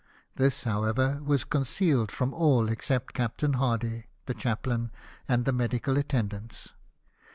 This, however, was concealed from all except Captain Hardy, the chaplain, and the medical attendants.